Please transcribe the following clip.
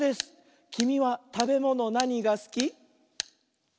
「きみはたべものなにがすき？」